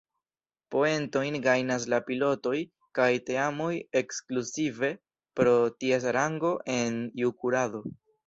Poentojn gajnas la pilotoj kaj teamoj ekskluzive pro ties rango en iu kurado.